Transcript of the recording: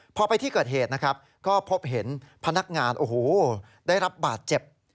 พอไปที่เกิดเหตุนะครับก็พบเห็นพนักงานโอ้โหได้รับบาดเจ็บ